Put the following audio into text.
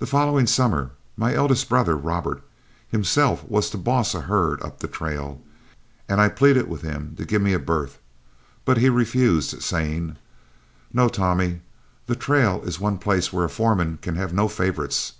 The following summer, my eldest brother, Robert, himself was to boss a herd up the trail, and I pleaded with him to give me a berth, but he refused me, saying: "No, Tommy; the trail is one place where a foreman can have no favorites.